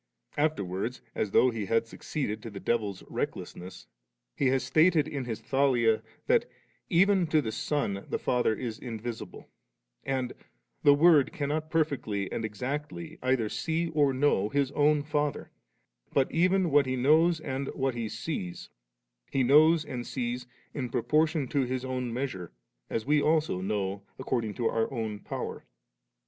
Afterwards, as though he had succeeded to the devil's recklessness, he has stated in his Thalia, that ' even to the Son the Father is invisible,' and * the Word cannot per fectly and exactly either see or know His own Father;' but even what He knows and what He sees, He knows and sees * in proportion to His own measure,' as we also know according to our own power.